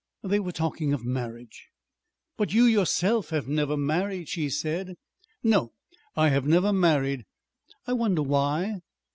They were talking of marriage. "But you yourself have never married," she said. "No, I have never married." "I wonder why."